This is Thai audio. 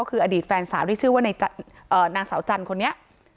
คืออดีตแฟนสาวที่ชื่อว่านางสาวจันทร์คนนี้